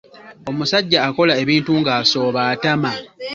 Omusajja akola ebintu ng'asooba atama.